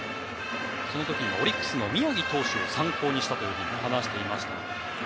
その時にはオリックスの宮城投手を参考にしたと話していました。